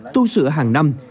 tu sửa hàng năm